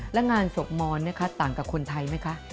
แล้วงานสกมรต่างกับคนไทยไหมคะ